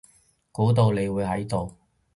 估到你會喺度